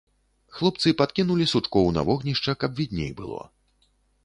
Хлопцы падкінулі сучкоў на вогнішча, каб відней было.